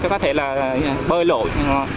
có thể bơi lội